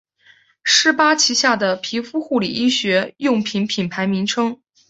施巴旗下的皮肤护理医学用品品牌名称。